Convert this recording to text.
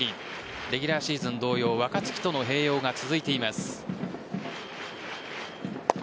レギュラーシーズン同様若月との併用が続いています。